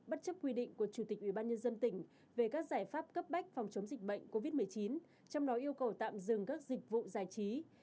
bất chấp quy định của chủ tịch ủy ban nhân dân tỉnh về các giải pháp cấp bách phòng chống dịch bệnh covid một mươi chín trong đó yêu cầu tạm dừng các dịch vụ giải trí